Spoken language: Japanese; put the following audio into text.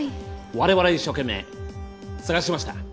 我々一生懸命捜しました。